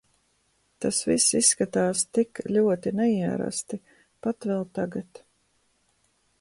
Tas viss izskatās tik ļoti neierasti, pat vēl tagad.